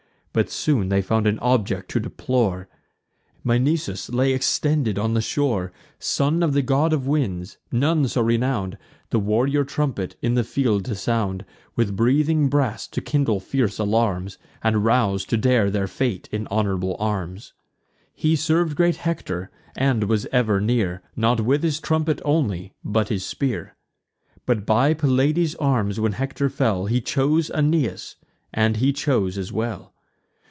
But soon they found an object to deplore: Misenus lay extended on the shore; Son of the God of Winds: none so renown'd The warrior trumpet in the field to sound; With breathing brass to kindle fierce alarms, And rouse to dare their fate in honourable arms. He serv'd great Hector, and was ever near, Not with his trumpet only, but his spear. But by Pelides' arms when Hector fell, He chose Aeneas; and he chose as well.